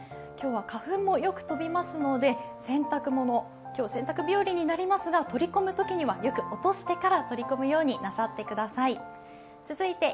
今日は花粉もよく飛びますので、洗濯物今日、洗濯日和になりますが、取り込むときにはよく落としてから取り込むようになさってください。